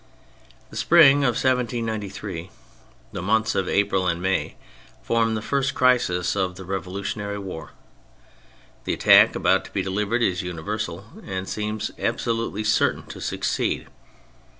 The spring of 1793, the months of April and May, form the first crisis of the revolution ary war. The attack about to be delivered is universal, and seems absolutely certain to succeed.